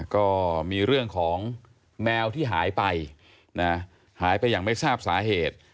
ก็มีเรื่องของแมวที่หายไปหายไปอย่างไม่ทราบสาเหตุ